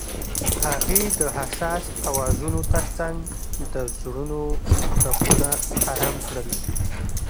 هغې د حساس اوازونو ترڅنګ د زړونو ټپونه آرام کړل.